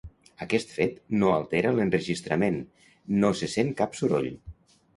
Aquest fet no altera l’enregistrament, no se sent cap soroll.